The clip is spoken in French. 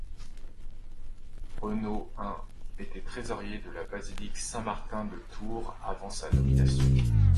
Renauld I était trésorier de la basilique Saint-Martin de Tours avant sa nomination.